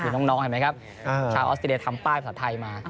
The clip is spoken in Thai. คือน้องเห็นไหมครับชาวออสเตรเลียทำป้ายภาษาไทยมา